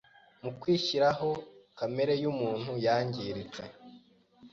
Mu kwishyiraho kamere muntu yangiritse